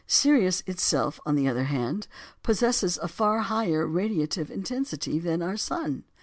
Sirius itself, on the other hand, possesses a far higher radiative intensity than our sun.